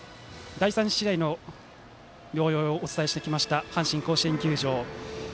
第３試合のもようをお伝えしてきました阪神甲子園球場。